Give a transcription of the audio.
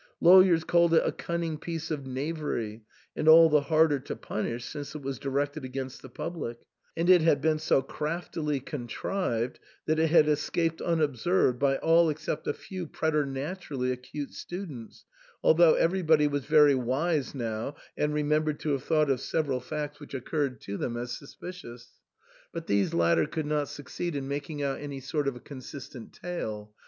Lawyers called it a cunning piece of knavery, and all the harder to punish since it was directed against the public ; and it had been so craftily contrived that it had escaped unobserved by all except a few preternaturally acute students, although everybody was very wise now and remembered to have thought of several facts which occurred to them THE SAND MAN. 211 as suspicious. But these latter could not succeed in making out any sort of a consistent tale.